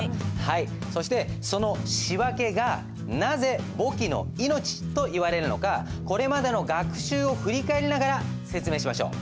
そしてその仕訳がなぜ簿記の命といわれるのかこれまでの学習を振り返りながら説明しましょう。